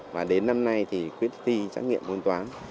và đến năm nay thì quyết thi trách nhiệm môn toán